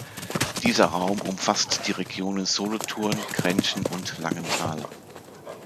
Dieser Raum umfasst die Regionen Solothurn, Grenchen und Langenthal.